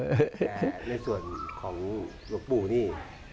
แต่ในส่วนของลูกบู่นี่